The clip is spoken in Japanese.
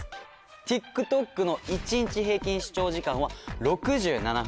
「ＴｉｋＴｏｋの１日平均視聴時間は６７分」